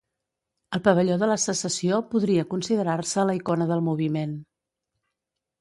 El pavelló de la Secessió podria considerar-se la icona del moviment.